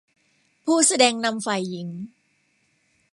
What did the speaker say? ผู้แสดงนำฝ่ายหญิง